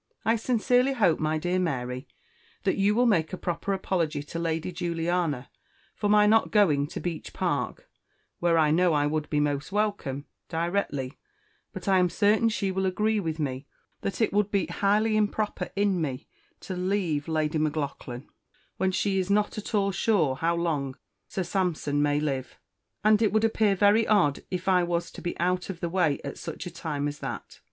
I sincerely hope, my dear Mary, that you will make a proper Apology to Lady Juliana for my not going to Beech Park (where I know I would be made most Welcome) directly but I am Certain she will Agree with me that it would be Highly Improper in me to leave Lady M'Laughlan when she is not at all Sure how long Sir Sampson may Live; and it would Appear very Odd if I was to be out of the way at such a time as That.